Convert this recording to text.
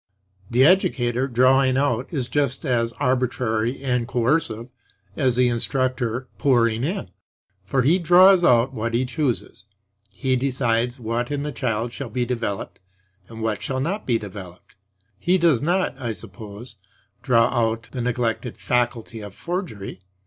The educator drawing out is just as arbitrary and coercive as the instructor pouring in; for he draws out what he chooses. He decides what in the child shall be developed and what shall not be developed. He does not (I suppose) draw out the neglected faculty of forgery.